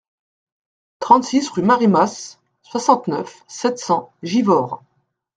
trente-six rue Marie Mas, soixante-neuf, sept cents, Givors